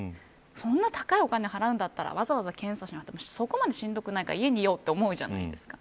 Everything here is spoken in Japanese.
そんな高いお金払うんだったらわざわざ検査しなくてもそこまでしんどくないから家にいようと思うじゃないですか。